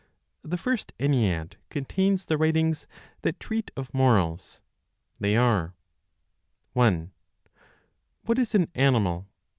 The First Ennead contains the writings that treat of Morals. They are: 1. What is an Animal?